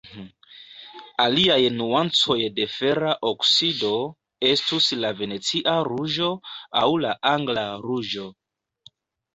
Aliaj nuancoj de fera oksido estus la Venecia ruĝo aŭ la Angla ruĝo.